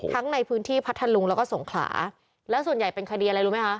ทั้งในพื้นที่พัทธลุงแล้วก็สงขลาแล้วส่วนใหญ่เป็นคดีอะไรรู้ไหมคะ